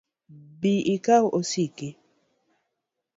Bi ikaw osiki